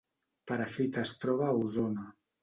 Perafita es troba a Osona